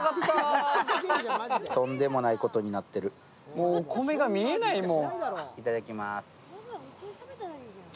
もうお米が見えないもん。